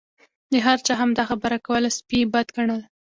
هر چا همدا خبره کوله سپي یې بد ګڼل.